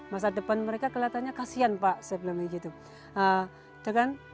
masa depan mereka kelihatannya kasian pak